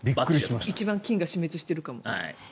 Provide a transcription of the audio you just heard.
一番菌が死滅しているかも。